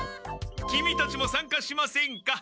キミたちもさんかしませんか？